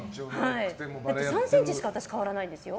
だって３ｃｍしか私変わらないんですよ